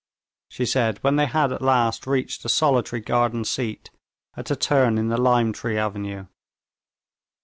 she said, when they had at last reached a solitary garden seat at a turn in the lime tree avenue.